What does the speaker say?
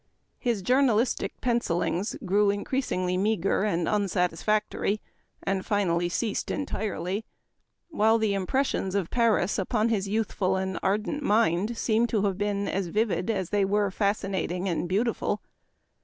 His journalistic pencilings grew increasingly meager and unsatisfactory, and finally ceased entirely ; while the im pressions of Paris upon his youthful and ardent mind seem to have been as vivid as they were fascinating and beautiful.